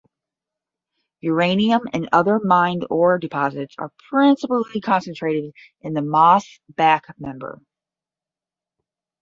Uranium and other mined ore deposits are principally concentrated in the Moss Back Member.